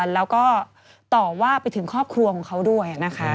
แล้วก็ต่อว่าไปถึงครอบครัวของเขาด้วยนะคะ